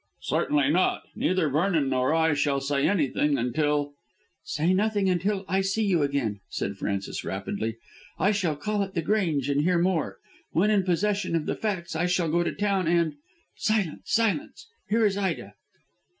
"Certainly not. Neither Vernon nor I shall say anything until " "Say nothing until I see you again," said Frances rapidly. "I shall call at The Grange and hear more. When in possession of the facts I shall go to town and Silence! silence! Here is Ida."